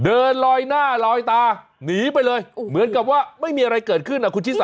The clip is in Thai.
เดินลอยหน้าลอยตาหนีไปเลยเหมือนกับว่าไม่มีอะไรเกิดขึ้นอ่ะคุณชิสา